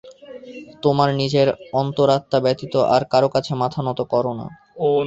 তোমার নিজের অন্তরাত্মা ব্যতীত আর কারও কাছে মাথা নত কর না।